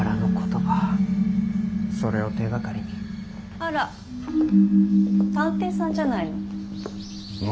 あら探偵さんじゃないの。